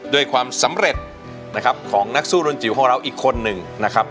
ด้วยความสำเร็จนะครับของนักสู้รุ่นจิ๋วของเราอีกคนหนึ่งนะครับ